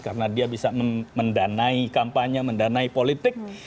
karena dia bisa mendanai kampanye mendanai politik